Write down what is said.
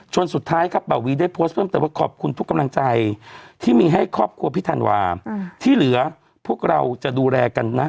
สุดท้ายครับเบาวีได้โพสต์เพิ่มเติมว่าขอบคุณทุกกำลังใจที่มีให้ครอบครัวพี่ธันวาที่เหลือพวกเราจะดูแลกันนะ